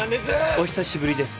お久しぶりです